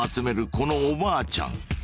このおばあちゃん。